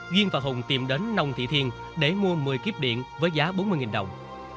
duyên và hùng tìm đến nông thị thiên để mua một mươi kíp điện với giá bốn mươi đồng